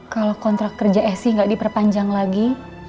kalau kontrak kerja elsie gak diperpanjang lagi